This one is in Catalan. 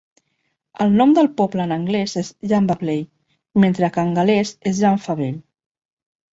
El nom del poble en anglès és Llanvapley, mentre que en gal·lès és Llanfable.